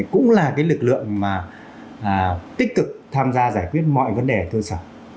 cũng là lực lượng tích cực tham gia giải quyết mọi vấn đề ở cơ sở